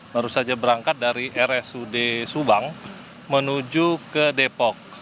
baru saja berangkat dari rsud subang menuju ke depok